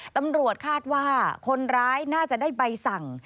ตำรวจคาดว่าคนร้ายน่าจะได้ใบสั่ง